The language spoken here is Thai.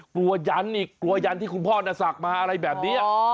กลัวยันที่คุณพ่อสักมาอะไรแบบนี้